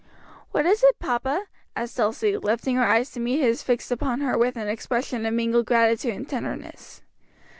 "What is it, papa?" asked Elsie, lifting her eyes to meet his fixed upon her with an expression of mingled gratitude and tenderness.